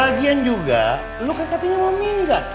lagian juga lu kan katanya mau minggat